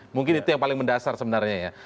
mungkin itu yang paling mendasar sebenarnya ya